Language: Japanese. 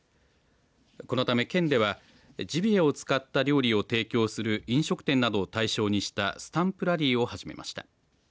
このため県ではジビエを使った料理を提供する飲食店などを対象にしたスタンプラリーを始めました。